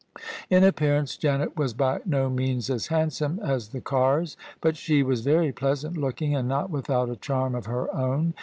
In appearance Janet was by no means as handsome as the Carrs: but she was very pleasant looking, and not without a charm of her own.